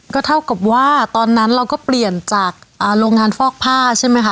ก็เท่ากับว่าตอนนั้นเราก็เปลี่ยนจากโรงงานฟอกผ้าใช่ไหมคะ